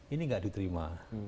ini gak diterima